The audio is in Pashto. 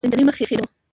د نجلۍ مخ خیرن و .